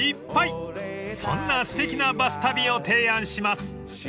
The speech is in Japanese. ［そんなすてきなバス旅を提案します］